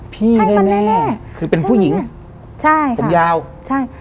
พี่แน่แน่คือเป็นผู้หญิงใช่ผมยาวใช่